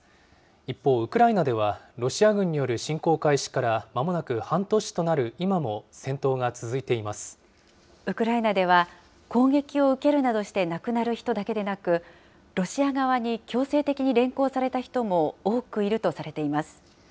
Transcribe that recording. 一方、ウクライナでは、ロシア軍による侵攻開始からまもなく半年となる今も、ウクライナでは、攻撃を受けるなどして亡くなる人だけでなく、ロシア側に強制的に連行された人も多くいるとされています。